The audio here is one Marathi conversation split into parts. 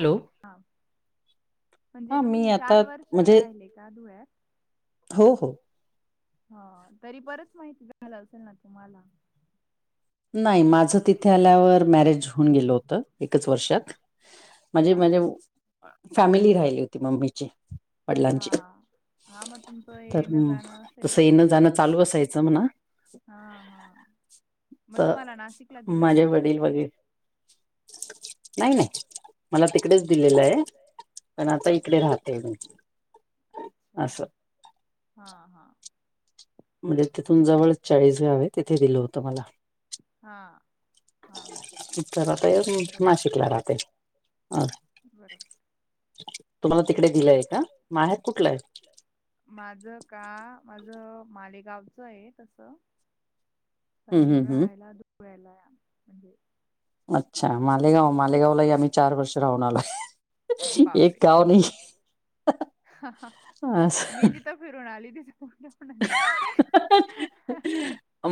हॅलो. हा म्हणजे हा मी तुम्ही आता चार वर्ष म्हणजे राहिले का धुळ्यात? हो हो ह तरी बरच माहिती झालं असेल ना तुम्हाला. नाही माझं तिथे आल्यावर मॅरेज होऊन गेल होत, एकच वर्षात. म्हणजे का? माझी फॅमिली राहिली होती मम्मीची, वडिलांची हा. हा मग तुमचं तर येणं मग जाणं असेलच तसं येणं - जाणं चालू असायचं म्हणा. हा हा मग तर तुम्हाला नाशिकला दिलं माझे का? वडील वगैर नाही नाही मला तिकडेच दिलेलं आहे, पण आता इकडे राहते मी अच्छा अस हा हा म्हणजे तिथून जवळच चाळीसगाव आहे तिथे दिलं होतं मला. हा हा [unintelligible] तर बरोबर नाशिकला राहते, अं बरोबर. तुम्हाला तिकडे दिलंय का? माहेर कुठला आहे? माझ का? माझ मालेगावचं आहे तसं. पण हम्म हम्म हम्म. राहायला धुळ्याला आहे म्हणजे अच्छा मालेगाव, मालेगावलाही आम्ही चार वर्ष राहून आलोय. एक गाव नाही हा असं फिरुन आली [unintelligible] ण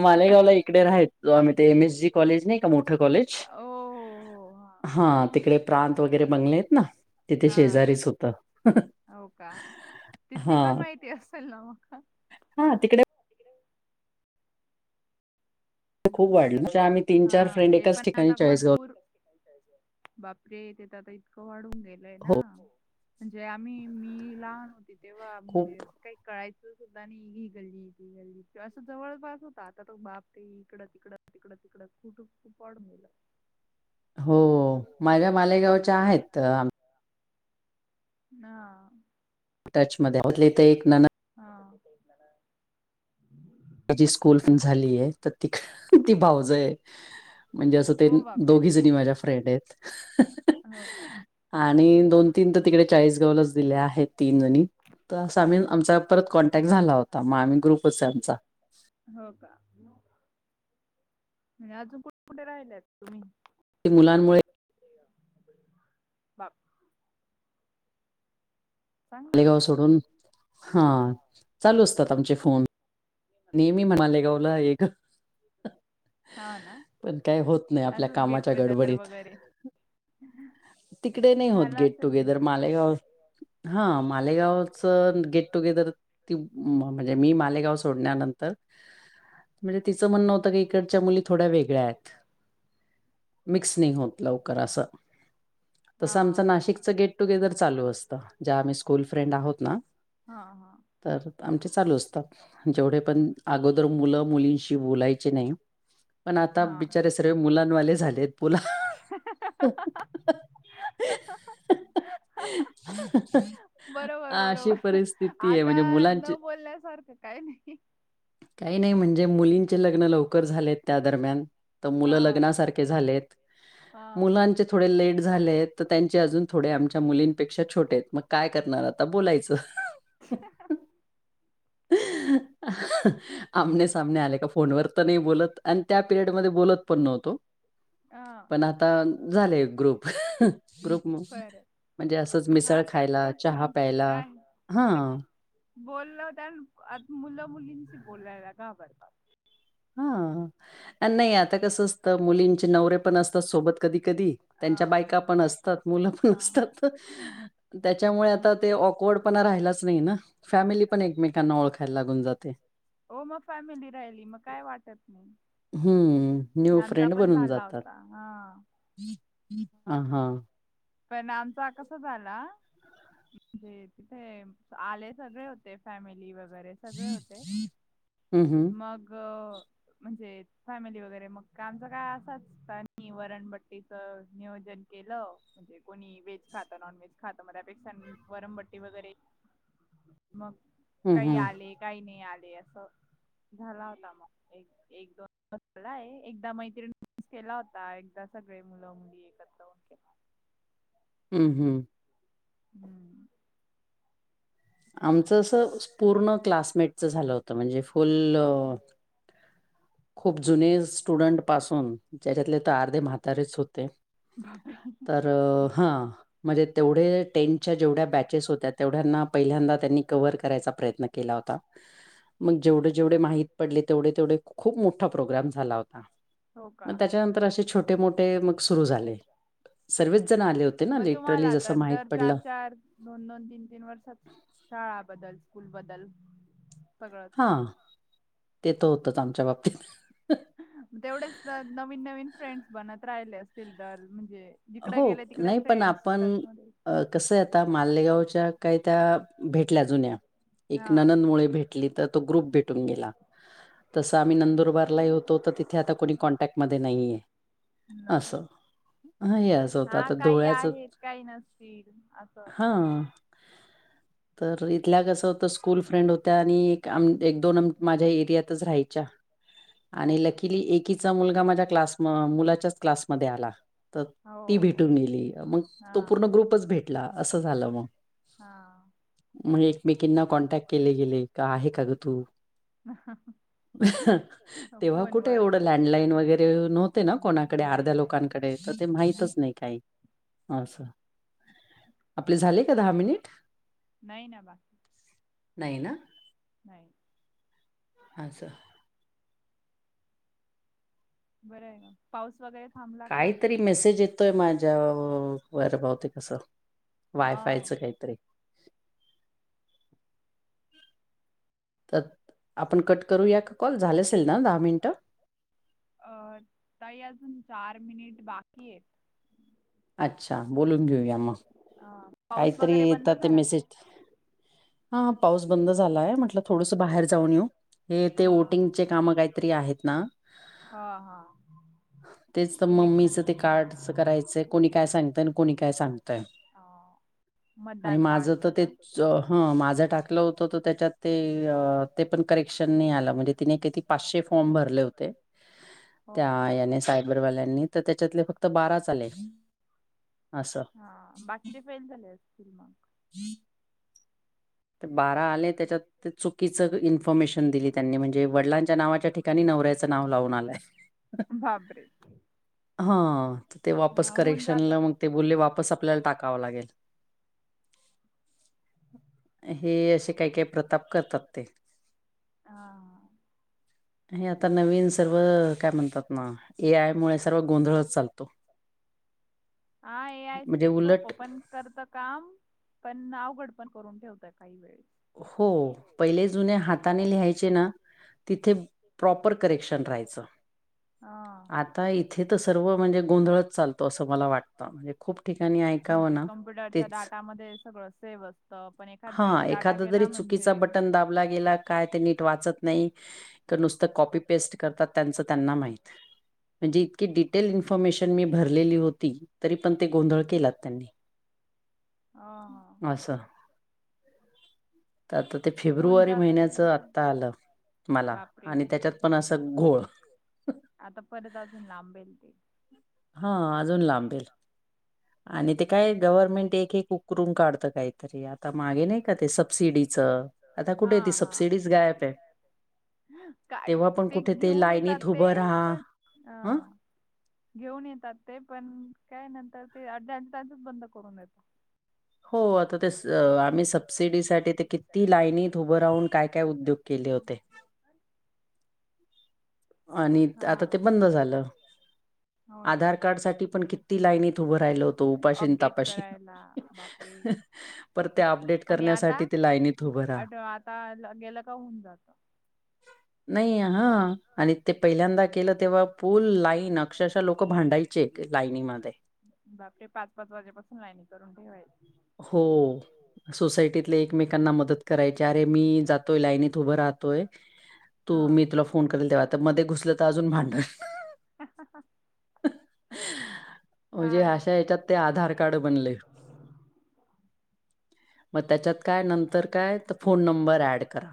मालेगावला इकडे राहयचो आम्ही, ते एम एस जी कॉलेज नाही का मोठं कॉलेज? ओ हो हो हा तिकडे प्रांत वगैरे बंगले आहेत ना तिथे हा हा शेजारीच होत. हो का तिथली पण माहिती असेल ना मग? हा तिकडे हॅलो खूप वाढलं म्हणजे आम्ही तीन हा चार फ्रेंड ते एकाच पण ठिकाणी आता चाळीसगाव भरपूर बापरे तिथं तर आता इतकं वाढून गेल लय ना हो म्हणजे आम्ही मी लहान होती तेव्हा खूप म्हणजे काही कळायचं सुद्धा नाही, ही गल्ली, ती गल्ली असं जवळपास होता आता तो बाप ते इकडं - तिकडं, तिकडं -तिकडं कुट पाड मलं हो माझ्या मालेगावच्या आहेत आ हा टच मध्ये आहोत, त्यातली एक नणंद हा माझी स्कूल झालीय, तर त ती भावजय आहे म्हणजे असं ते ओ दोघी बापरे जणी माझ्या फ्रेंड आहेत. हो का आणि दोन - तीन तर तिकडे चाळीसगावलाच दिले आहेत तीन जणी. त अस आम्ही आमचा परत कॉन्टॅक्ट झाला होता, मग आम्ही ग्रुपच आहे आमचा. हो का म्हणजे अजून कुठ कुठे राहिलायत तुम्ही? ते मुलांमुळे बाप चांगलंय मालेगाव सोडून, हा चालू असतात आमचे फोन नेहमी मालेगावला ये गं हा ना पण काही होत नाही आपल्या असंच गेट कामाच्या टुगेदर गडबडीत. वगैरे तिकडे नाही होत झाला गेट असेल तुम टुगेदर मालेगाव हा मालेगावच गेट - टुगेदर ती म्हणजे, मी मालेगाव सोडण्यानंतर. म्हणजे तिचं म्हणणं होतं की, इकडच्या मुली थोड्या वेगळ्या आहेत. मिक्स नाही होत लवकर असं. हा तसं आमचं नाशिकच गेट टुगेदर चालू असतं, ज्या आम्ही स्कूल फ्रेंड आहोत ना. हा हा. तर आमचे चालू असत, जेवढे पण अगोदर मुलं मुलींशी बोलायचे नाही. पण हा आता हा बिचारे सर्व मुलांनवाले झालेत बोला. [inaudible] [inaudible] बरोबर अशी बरोबर परिस्थिती आहे आता म्हणजे मुलांची नबोलण्यासारखं काही नाही. काही नाही म्हणजे मुलीं ची लग्न लवकर झालेत त्या दरम्यान, तर मुलं हा लग्नासारखे झालेत. हा मुलांचे थोडे लेट झालेत. तर त्यांचे अजून थोडे आमच्या मुलींपेक्षा छोटे आहेत. मग काय करणार आता बोलायचं. [unintelligible] [unintelligible] आमने सामने आले का फोनवर तरी बोलत, आणि त्या पिरियडमध्ये बोलत पण नव्हतो. हा पण आता झाले ग्रुप. ग्रुप खरं म्हणजे असंच हा मिसळ खायला, तेव्हाच चहा मग प्यायला काय ते हं. बोललं त्या आ- मुलं मुलींशी बोलायला घाबरतात. हां. नाही आता कसं असतं. मुलींचे नवरे पण असतात सोबत कधी कधी, हा त्यांच्या बायका पण असतात. मुलं पण हा असतात त्याच्यामुळे आता ते ऑकवर्ड पणा राहिलाच नाही ना, फॅमिली पण एकमेकांना ओळखायला लागून जाते. हो, मग फॅमिली राहिली. मग काय वाटत नाही. हम्म. न्यू आमचा फ्रेंड पण बनून झाला जातात होता हा हा. पण आमचा कस झाला. म्हणजे तिथे आले सगळे होते, फॅमिली वगैरे. सगळे होते, हं, हं. मग म्हणजे फॅमिली वगैरे मग आमचा काय असाच. [unintelligible] वरणबट्टीच नियोजन केलं. म्हणजे कोणी व्हेज खात, नॉन व्हेज खातं मग त्यापेक्षा वरणबट्टी वगैरे, मग हं, काही हं. आले काही, नाही आले असं. झाला होता. मग एक एक दोन झालाय, एकदा मैत्रिणीस केला होता. एकदा सगळे मुलं मुली एकत्र. Okay bye. हम्म हम्. हम्म. आमचं असं पूर्ण क्लासमेटच झालं होतं, म्हणजे फुल. खूप जुने स्टुडंट पासून जेच्यातले तर, आर्धे म्हातारेच होते. बापरे तर हा, म्हणजे तेवढे टेनच्या जेवढ्या बॅचेस होत्या तेवढ्यांना. पहिल्यांदा त्यांनी कवर करायचा प्रयत्न केला होता. मग जेवढे जेवढे माहित पडले, तेवढे तेवढे खूप मोठा प्रोग्राम झाला होता. हो का मग त्याच्यानंतर असे, छोटे मोठे मग सुरू झाले. सर्वच जण आले होते ना, मग तुम्हाला लिटरली आता जसं माहित दर पडलं. चार चार दोन दोन, तीन तीन वर्षात शाळा बदल स्कूल बदल सगळंच. हा, ते तर होतंच आमच्या बाबतीत. तेवढेच नवीन नवीन फ्रेंड्स बनत राहिले असतील तर म्हणजे, जिकड गेले तिकड फ्रेंड्स, त्यात मग अं.. कसं आता मालेगावच्या काय त्या, भेटल्या जुन्या, एक हा ननंदमुळे भेटली तर तो ग्रुप भेटून गेला. तसं आम्ही नंदुरबारला होतो तर तिथे आता कोणी कॉन्टॅक्टमध्ये नाही आहे असं. ह येस. हा काही आहेत काही नसतील असं. हा. तर इथल्या कसं होतं स्कूल फ्रेंड होत्या आणि एक दोन माझ्या एरियातच राहायच्या. हो आणि का लकीिली एकीचा मुलगा माझ्या क्लास मुलाच्याच क्लासमध्येध्ये आला. तर हो ती हो भेटून गेली मग हा तो पूर्ण ग्रुपच भेटला असं झालं मग हा म्हणज एकमेकींना कॉन्टॅक्ट केले गेले का आहे का ग तू ह. तेव्हा कुठे एवढं मग लँडलाईन वगैरे नव्हते ना हम्म कोणाकडे नाही अर्ध्या नाही लोकांकडे डे तर ते माहितच नाही काही असं. आपले झाले का दहा मिनिट नाही ना बाकी नाही ना. नाही. हच सर. बरं आहे का पाऊस वगैरे थांबला का काहीतरी मेसेज येतोय माझ्या वरभहते कसं? वायफायचं हो काहीतरी तर आपण कट करूया का कॉल झाला असेल ना दहा मिनिटं. अ तई अजून चार मिनिट बाकी आहेत. अच्छा बोलून घेऊया मग ह पाऊस काहीतरी वगैरे बंद येतात ते करा. मेसेज हा पाऊस बंद झालाय म्हटलं थोडंसं बाहेर जाऊन येऊ. हे ते हा वोटिंगचे काम काहीतरी आहेत ना. हा हा. तेच तर इलेक्शन मम्मीचं ते हा. कार्डच करायचंय कोणी काय सांगतय आणि कोणी काय सांगतय? हो. आणि माझं तर ते हं माझं टाकलं होतं तर त्याच्यात ते ते पण करेक्शन नाही आलं म्हणजे तिने का पाचशे फॉर्म भरले होते. हो त्या का? याने सायबरवाल्यांनी तर त्याच्यातले फक्त बारा ले हा बाकी ते फेल झाले फिल्मग. ही बारा आले त्याच्यात चुकीच इन्फॉर्मेशन दिली त्यांनी म्हणजे वडलांच्या नावाच्या ठिका. त्यांनी नवऱ्याचं नाव लावून आलाय. बापरे. हा तर ते वापस हा होऊन जात करेक्शनला मग ते बोलले वापस आपल्याला टाकावं लागेल. हे असे काही काही प्रताप करतात ते हा हे आता नवीन सर्व काय म्हणतात ना ए आय मूळे सर्व गोंधळच चालतो. हा ऐआय म्हणजे सोप उलट पण करत काम पण नाव गडबड पण करून ठेवत काही वेळेस हो पहिले जुने हाताने लिहायचे ना तिथे प्रॉपर करेक्शन राहायचं. हा हा. आता इथे तर सर्व म्हणजे गोंधळच चालतो असं मला वाटतं म्हणजे खूप ठिकाणी काय? म्हणजे कंप्युटरच्या डाटामध्ये सगळं सेव्ह असतं पण एखद हां, वेळेस डाटा डाटा एखादा तरी गेला म्हणजे चुकीचा बटन गेला काय ते नीट वाचत नाहीत. कॉपी पेस्ट करतात त्यांच त्यांना माहित. म्हणजे इतकी डिटेल इन्फॉमेशन मी भरलेली हो ती तरी पण ते गोंधळ केलाच त्यांनी ह आसं त आता ते होऊन फेब्रुवारी जात ते महिन्याचं आत्ता आलं. मला बापरे आणि त्याच्यात पण आसा घोळ. आता परत अजून लांबेल ते. हां अजून लांबेल. आणि ते काय गव्हर्नमेंट एक एक उकरुन काढतं काहीतरी आता मागे नाई काय ते सबसिडीचं आता हा कुठे ती हा सबसिडीच गायब आहे. काय तेव्हा पण ते कुठे घेऊन येतात लाईनीत ते उभं राहा. पण अ हं. घेऊन येतात ते पण काय नंतर ते अर्ध्यातच बंद करून देतो. हो आता ते स आम्ही सबसिडीसाठी ते किती लाईनीत उभं राहून काय काय उद्योग केले होते. आणित आता ते हा बंद झालं. हो ना आधार कार्ड साठी पण किती लाईनीत उभं राहिलो होतो उपाशी न अपडेट तापाशी. करायला बापरे पर ते अपडेट आणि आता करण्यासाठी ते लाईनीत उभं राहा. आत अ आता गेलं का होऊन जात. [inaudible] नाई हां. आणि ते पहिल्यांदा केलं तेव्हा फुल लाईन अक्षरशः लोक भांडायचे एक लाईनीमध्ये. बापरे पाच पाच वाजेपासून लाईन करून ठेवायचं. हो सोसायटीतले एकमेकांना मदत करायचे अरे मी जातोय लाईनीत उभं राहतोय तू हा मी तुला फ त मध्ये घुसलं त आजून भांड हा हा हा. हा म्हणजे अशा येते. याच्यात ते आधार कार्ड बनले. म त्याच्यात काय नंतर काय त फोन नंबर ऍड करा.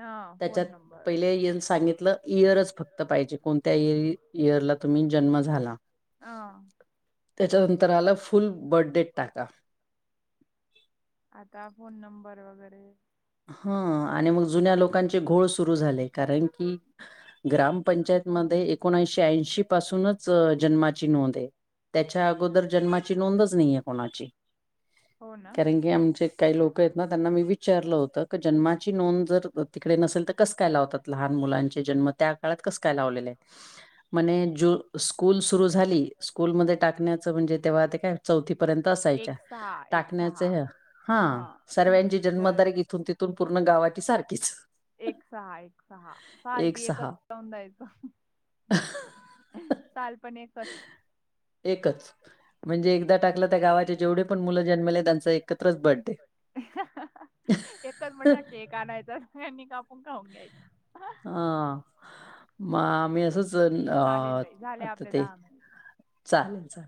हां फोण त्याच्यात नं पहिले इयर सांगितलं ईयरच फक्त पाहिजे कोणत्या ई ईयर ला तुम्ही जन्म झाला. आ. त्याच्यानंतर आल फुल बर्ट डेट टाका. आता फोन नंबर वगेरे हां आणि मग जुन्या लोकांचे घोळ सुरू झाले कारण की ग्रामपंचायत हो ना मध्ये एकोणऐंशी ऐंशी पासूनच अ जन्माची नोंद आहे. त्याच्या अगोदर जन्माची नोंदच नाइये कोणाची हो ना कारण की आमच्ये काही लोक आहेत ना त्यांना मी विचारलं हो त जन्माची नोंद जर तिकडे नसेल त कसं काय लावतात लहान मुलांचे जन्म त्या काळात कसं काय लावलेलंय म्हणे जू स्कूल सुरु झाली स्कूलमध्ये टाकण्याचं म्हणजे तेव्हा ते काय चौथी पर्यंत असायच्या. एक सहा एक टाकण्याचे सहा ह हा हां तीच सर्व्यांची तर जन्मदारीक इथून तिथून पूर्ण गाव वाची सारखीच. एक सहा एक सहा साल एक बी एकच सहा जाऊन द्यायचं. अं साल पण एकच. एकच म्हणजे एकदा टाकलं त्या गावाचे जेवढे पण मुलं जन्मले त्यांचा एकत्रच बर्थडे. अं हं हं हं एकच मटा केक. कानायचा सगळ्यांनी कापून खाऊून घ्यायचं. हं. हां म आम्ही असंच अ चालेल ताई झाले आता आपले ते दहा मिनिट. चालतं.